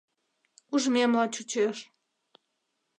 Ужмемла чучеш.